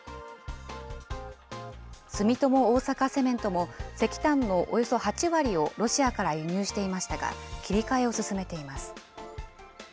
住友大阪セメントも、石炭のおよそ８割をロシアから輸入していましたが、切り替えを進めています。